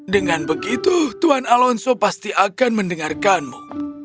dengan begitu tuhan alonso pasti akan mendengarkanmu